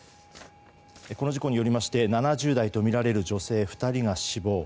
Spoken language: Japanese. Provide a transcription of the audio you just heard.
この事故によりまして７０代とみられる女性２人が死亡。